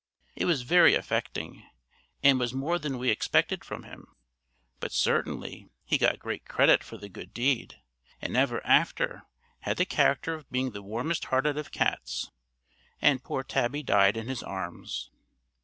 It was very affecting, and was more than we expected from him; but certainly he got great credit for the good deed, and ever after had the character of being the warmest hearted of cats, and poor Tabby died in his arms."